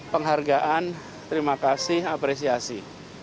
penghargaan terima kasih apresiasi